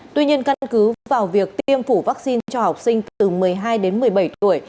tuy nhiên căn cứ vào việc tiêm phủ vaccine cho học sinh từ một mươi hai đến một mươi bảy tuổi